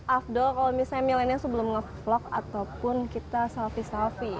afdol kalo misalnya milenial sebelum ngevlog ataupun kita selfie selfie